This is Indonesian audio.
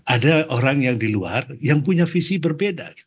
ada orang yang di luar yang punya visi berbeda